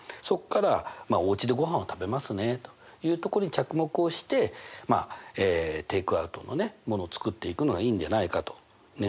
そこからおうちでごはんを食べますねというとこに着目をしてテイクアウトのものを作っていくのがいいんじゃないかと。